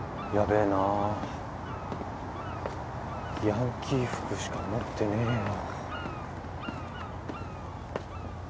ヤンキー服しか持ってねえよ。